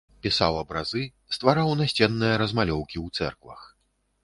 Пісаў абразы, ствараў насценныя размалёўкі ў цэрквах.